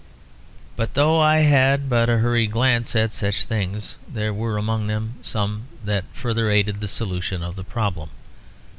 But though I had but a hurried glance at such things, there were among them some that further aided the solution of the problem.